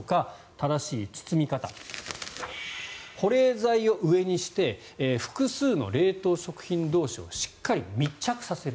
正しい包み方保冷剤を上にして複数の冷凍食品同士をしっかり密着させる。